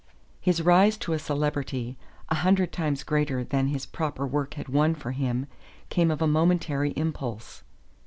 His rise to a celebrity a hundred times greater than his proper work had won for him came of a momentary impulse.